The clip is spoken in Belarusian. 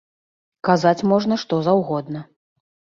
Казаць можна што заўгодна.